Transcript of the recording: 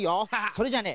それじゃあね